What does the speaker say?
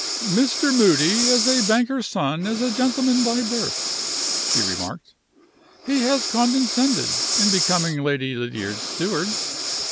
"Mr. Moody, as a banker's son, is a gentleman by birth," she remarked; "he has condescended, in becoming Lady Lydiard's steward.